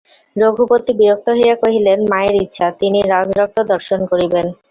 রঘুপতি বিরক্ত হইয়া কহিলেন, মায়ের ইচ্ছা, তিনি রাজরক্ত দর্শন করিবেন।